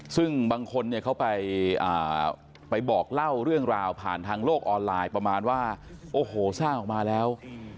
ซึ่งบางคนเนี่ยเขาไปบอกเล่าเรื่องราวผ่านทางโลกออนไลน์ประมาณว่าโอ้โหสร้างออกมาแล้ว